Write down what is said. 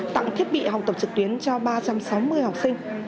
tặng thiết bị học tập trực tuyến cho ba trăm sáu mươi học sinh